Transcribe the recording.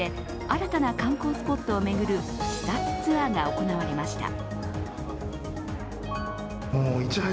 新たな観光スポットを巡る視察ツアーが行われました。